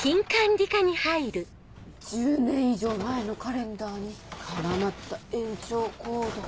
・１０年以上前のカレンダーに絡まった延長コード。